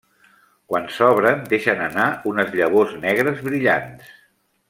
Quan s'obren deixen anar unes llavors negres brillants.